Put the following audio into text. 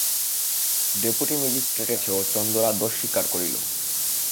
Deputy ম্যাজিস্ট্রেটের কাছেও চন্দরা দোষ স্বীকার করিল।